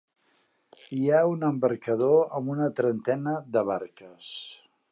Hi ha un embarcador amb una trentena de barques.